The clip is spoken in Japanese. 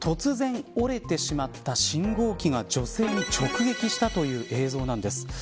突然、折れてしまった信号機が女性に直撃したという映像なんです。